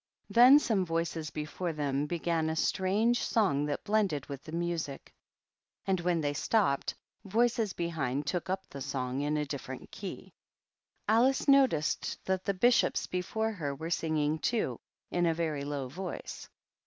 Then some voices before them began a strange song that blended with the music, and when they stopped, voices behind took up the song in a dijfferent key. Alice noticed that the Bishops before her were singing, too, in a very low voice.